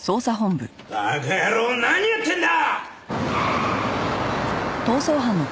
馬鹿野郎何やってんだ！